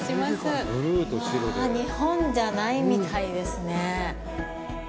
うわぁ、日本じゃないみたいですねぇ。